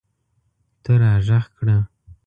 ته راږغ کړه